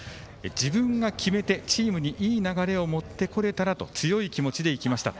自分が決めて、チームにいい流れを持ってこれたらと強い気持ちでいきました。